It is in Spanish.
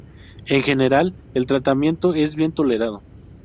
En general, el tratamiento es bien tolerado.